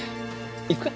行くか？